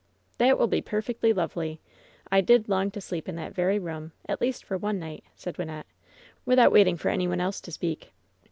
"That will be perfectly lovely. I did long to sleep in that very room, at least for one night,^' said Wyn nette, without waiting for any one else to speak.